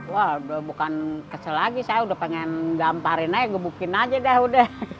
wah bukan kecil lagi saya udah pengen gamparin aja gebukin aja deh udah